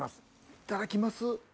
いただきます。